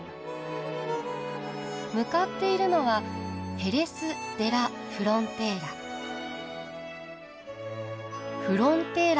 向かっているのはヘレス・デ・ラ・フロンテーラ。